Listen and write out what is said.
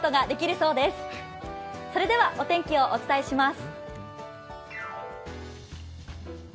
それではお天気をお伝えします。